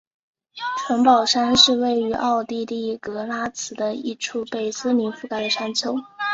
城堡山是位于奥地利格拉兹的一处被森林覆盖的山丘。